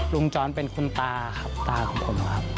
จรเป็นคุณตาครับตาของผมครับ